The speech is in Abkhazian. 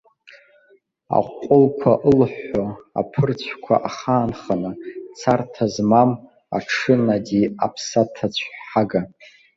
Аҟәҟәылқәа ылыҳәҳәо, аԥырцәқәа ахаанханы, царҭа змам аҽы нади, аԥсаҭа цәҳага.